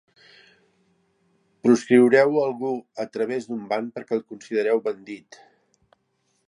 Proscriureu algú a través d'un ban perquè el considereu bandit.